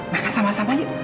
makan sama sama yuk